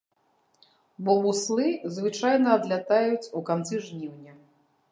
Бо буслы звычайна адлятаюць у канцы жніўня.